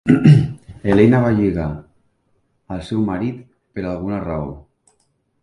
Helena va lligar el seu marit, per alguna raó.